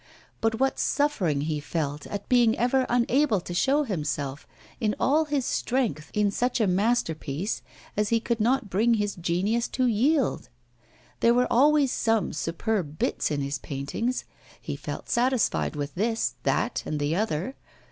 But what suffering he felt at being ever unable to show himself in all his strength, in such a master piece as he could not bring his genius to yield! There were always some superb bits in his paintings. He felt satisfied with this, that, and the other.